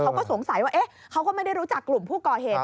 เขาก็สงสัยว่าเขาก็ไม่ได้รู้จักกลุ่มผู้ก่อเหตุ